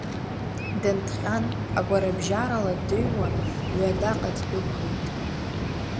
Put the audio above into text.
Дынҭҟьан, агәарабжьарала дыҩуа ҩадаҟа ддәықәлеит.